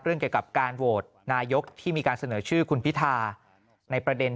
เกี่ยวกับการโหวตนายกที่มีการเสนอชื่อคุณพิธาในประเด็น